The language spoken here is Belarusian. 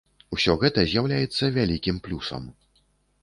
Усё гэта з'яўляецца вялікім плюсам.